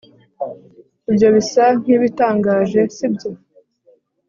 ibyo bisa nkibitangaje, sibyo